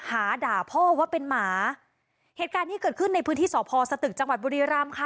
ด่าพ่อว่าเป็นหมาเหตุการณ์นี้เกิดขึ้นในพื้นที่สพสตึกจังหวัดบุรีรำค่ะ